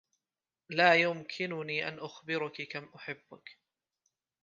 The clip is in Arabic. لا يمكنني أن أخبرك كم أحبّك.